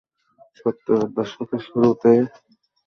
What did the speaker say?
সত্তরের দশকের শুরুতে তিনি প্রথম কাচ কেটে একটি সুন্দর ফুলগাছ সৃষ্টি করেন।